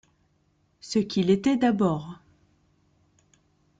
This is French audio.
Ce qu’il était d’abord.